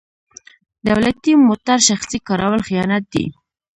دولتي موټر شخصي کارول خیانت دی.